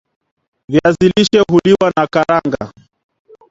viazi lishe huliwa na nakaranga